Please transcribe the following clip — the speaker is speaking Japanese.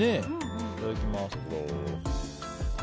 いただきます。